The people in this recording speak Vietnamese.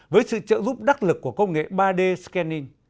với sự trợ giúp đắc lực của công nghệ ba d scanning